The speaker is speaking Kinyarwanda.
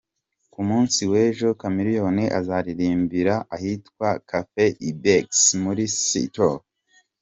Ku munsi w’ejo, Chameleone azaririmbira ahitwa Cafe Ibex muri Seattle.